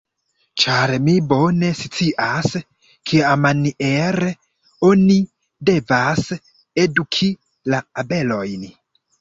Ĉar mi bone scias, kiamaniere oni devas eduki la abelojn.